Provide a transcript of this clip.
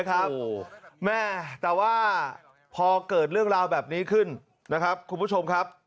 แม่แต่ว่าพอเกิดเรื่องราวแบบนี้ขึ้นนะครับคุณผู้ชมครับ